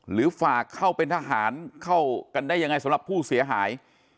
หรือฝากเข้าเป็นทหารเข้ากันได้ยังไงสำหรับผู้เสียหาย